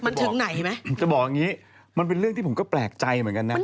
มันถึงไหนไหมจะบอกอย่างงี้มันเป็นเรื่องที่ผมก็แปลกใจเหมือนกันนะ